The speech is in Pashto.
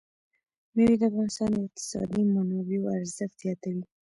مېوې د افغانستان د اقتصادي منابعو ارزښت زیاتوي.